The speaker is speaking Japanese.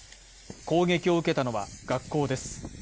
攻撃を受けたのは、学校です。